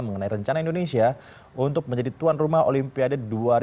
mengenai rencana indonesia untuk menjadi tuan rumah olimpiade dua ribu dua puluh